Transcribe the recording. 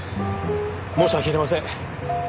申し訳ありません。